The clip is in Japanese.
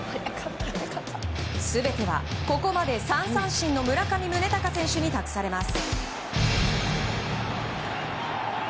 全てはここまで３三振の村上宗隆選手に託されます。